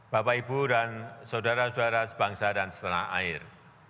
bapak ibu dan saudara saudara sebangsa dan setanah air